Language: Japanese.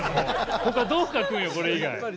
ほかどう書くんよ、これ以外。